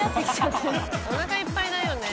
おなかいっぱいだよね。